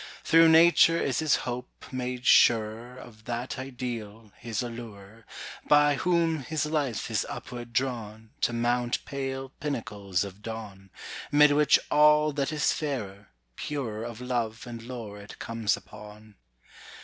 Through nature is his hope made surer Of that ideal, his allurer, By whom his life is upward drawn To mount pale pinnacles of dawn, 'Mid which all that is fairer, purer Of love and lore it comes upon.